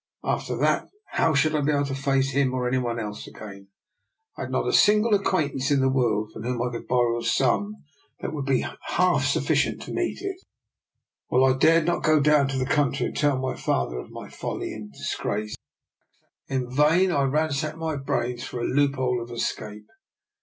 After that how should I be able to face him or any one else again? I had not a single acquaintance in the world from whom I could borrow a sum that would be half sufficient to meet it, while 1 dared not go down to the country and tell my father of my folly and disgrace. In vain I ransacked my brains for a loophole of escape.